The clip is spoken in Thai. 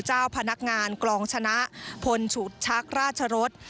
เจ้าพนักงานกลองชนะพลฉุดชักราชรส